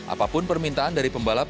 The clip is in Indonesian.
apapun permintaan dari pembalap